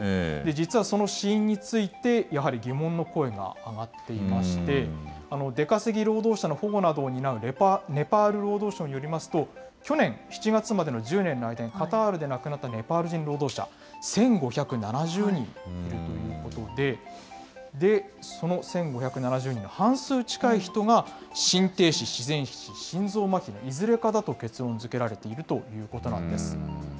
実はその死因について、やはり疑問の声が上がっていまして、出稼ぎ労働者の保護などを担うネパール労働省によりますと、去年７月までの１０年の間にカタールで亡くなったネパール人労働者、１５７０人いるということで、その１５７０人の半数近い人が心停止、自然死、心臓まひのいずれかだと結論づけられているということなんです。